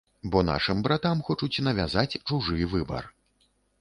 Бо нашым братам хочуць навязаць чужы выбар.